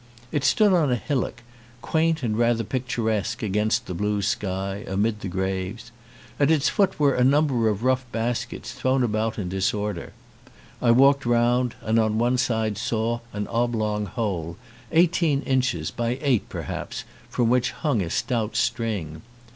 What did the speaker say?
It stood on a hillock, quaint and rather picturesque against the blue sky, amid the graves. At its foot were a number of rough baskets thrown about in dis order. I walked round and on one side saw an oblong hole, eighteen inches by eight, perhaps, from which hung a stout string.